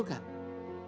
dia bukan orang kaya